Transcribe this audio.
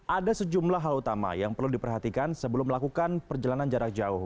ada sejumlah hal utama yang perlu diperhatikan sebelum melakukan perjalanan jarak jauh